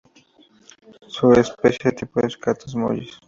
Su especie tipo es "Cactos mollis".